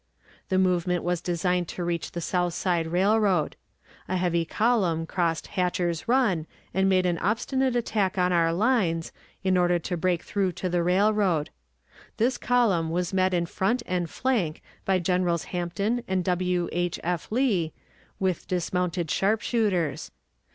The movement was designed to reach the Southside Railroad. A heavy column crossed Hatcher's Run, and made an obstinate attack on our lines, in order to break through to the railroad. This column was met in front and flank by Generals Hampton and W. H. F. Lee, with dismounted sharpshooters.